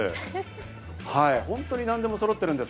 本当に何でもそろってるんです。